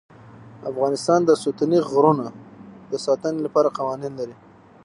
افغانستان د ستوني غرونه د ساتنې لپاره قوانین لري.